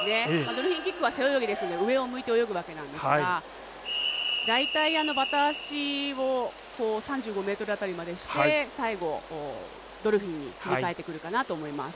ドルフィンキックは背泳ぎですので上を向いて泳ぐわけなんですが大体バタ足を３５ｍ辺りまでして最後、ドルフィンに切り替えてくるかなと思います。